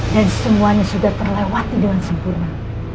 dan semuanya sudah terlewati dengan sempurna